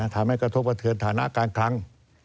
ทำให้กระทบประเทือนฐานะกลาง